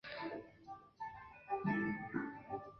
他的父亲瞽叟是个盲人。